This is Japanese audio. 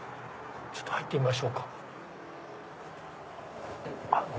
ちょっと入ってみましょうか。